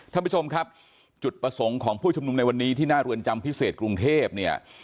ท่านผู้ชมครับจุดประสงค์ของผู้ชุมนุมในวันนี้ที่หน้าเรือนจำพิเศษกรุงเทพเนี่ย